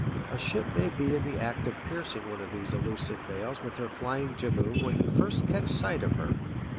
A ship may be in the act of piercing one of these elusive veils with her flying jibboom when you first catch sight of her.